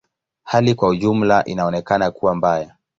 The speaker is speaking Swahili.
Hali kwa ujumla inaonekana kuwa mbaya.